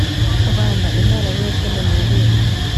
bana imana mwese nimuririmbe